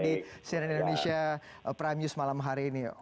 di cnn indonesia prime news malam hari ini